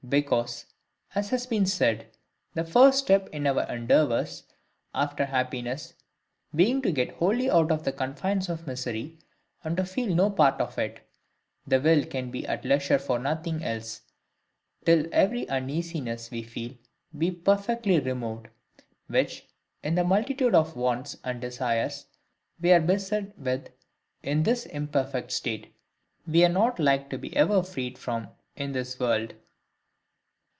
Because, as has been said, the FIRST step in our endeavours after happiness being to get wholly out of the confines of misery, and to feel no part of it, the will can be at leisure for nothing else, till every uneasiness we feel be perfectly removed: which, in the multitude of wants and desires we are beset with in this imperfect state, we are not like to be ever freed from in this world.